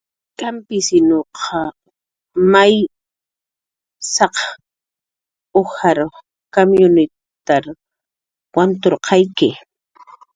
"Kampisinuq may saq ujar kamyunitar wantk""arqayki"